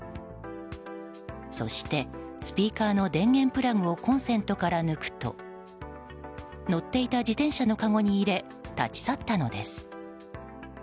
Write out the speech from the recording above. そしてスピーカーの電源プラグをコンセントから抜くと乗っていた自転車のかごに入れ立ち去ったのです。